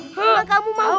enggak kamu mau